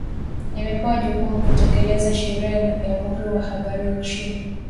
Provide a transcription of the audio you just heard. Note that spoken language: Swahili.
Imepewa jukumu kutekeleza Sheria ya Uhuru wa Habari nchini